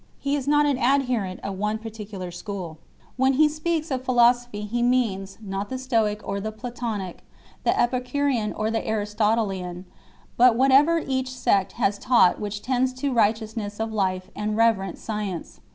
He is not an adherent of one particular school ; when he speaks of philosophy he means, not the Stoic or the Platonic, the Epicurean or the Aristotelian, but what ever each sect has taught which tends to righteousness of life and reverent science 4